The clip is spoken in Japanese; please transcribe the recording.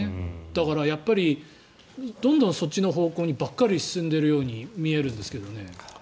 だから、どんどんそっちの方向にばかり進んでいるように見えるんですけどね。